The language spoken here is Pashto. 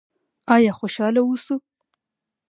آیا خوشحاله اوسو؟